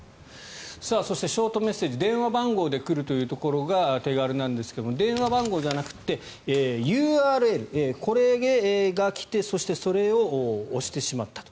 そしてショートメッセージ電話番号で来るというところが手軽なんですけど電話番号じゃなくてＵＲＬ、これが来て、そしてそれを押してしまったと。